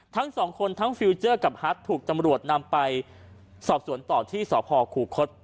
ทั้งสองคนทั้งฟิลเจอร์กับฮัทถูกตำรวจนำไปสอบสวนต่อที่สพคูคศ